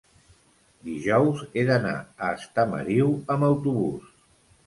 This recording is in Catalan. dijous he d'anar a Estamariu amb autobús.